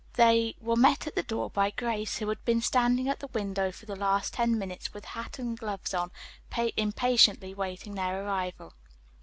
They were met at the door by Grace, who had been standing at the window for the last ten minutes with hat and gloves on, impatiently waiting their arrival.